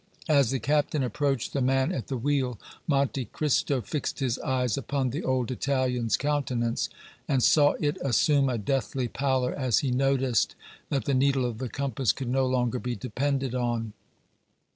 As the captain approached the man at the wheel, Monte Cristo fixed his eyes upon the old Italian's countenance and saw it assume a deathly pallor as he noticed that the needle of the compass could no longer be depended on.